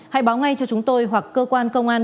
hãy báo ngay cho chúng tôi hoặc cơ quan công an